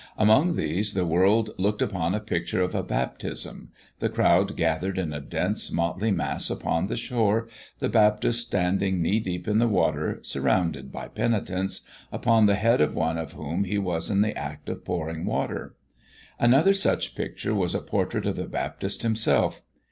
Among these the world looked upon a picture of a baptism the crowd gathered in a dense, motley mass upon the shore, the Baptist standing knee deep in the water surrounded by penitents, upon the head of one of whom he was in the act of pouring water. Another such picture was a portrait of the Baptist himself.